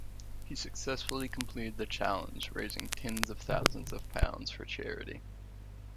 He successfully completed the challenge raising tens of thousands of pounds for charity.